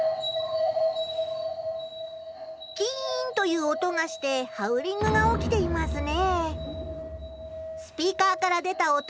キンという音がしてハウリングが起きていますね。